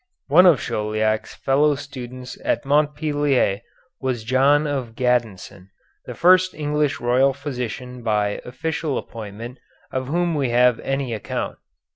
One of Chauliac's fellow students at Montpellier was John of Gaddesden, the first English Royal Physician by official appointment of whom we have any account.